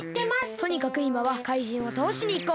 とにかくいまはかいじんをたおしにいこう！